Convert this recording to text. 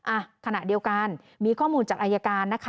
อ่ะขณะเดียวกันมีข้อมูลจากอายการนะคะ